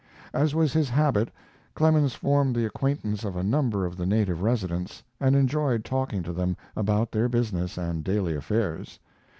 As was his habit, Clemens formed the acquaintance of a number of the native residents, and enjoyed talking to them about their business and daily affairs.